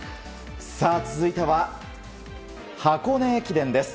続いては、箱根駅伝です。